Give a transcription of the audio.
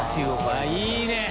あっいいね！